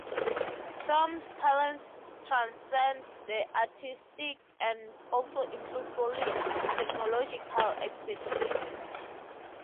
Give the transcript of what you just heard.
Thom's talents transcend the artistic and also include solid technological expertise.